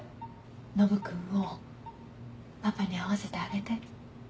ノブ君をパパに会わせてあげて。